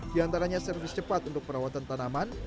di antaranya servis cepat untuk perawatan tanaman